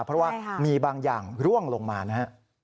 เพราะว่ามีบางอย่างร่วงลงมานะฮะ